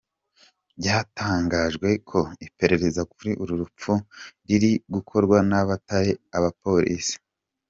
Byatangajwe ko iperereza kuri uru rupfu riri gukorwa n’abatari abapolisi.